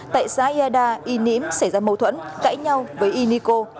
tại xã yeda y ním xảy ra mâu thuẫn cãi nhau với y niko